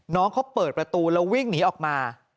น้องเขาเปิดประตูแล้ววิ่งหนีออกมา